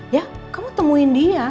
ya kamu temuin dia